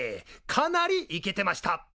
かなりイケてました。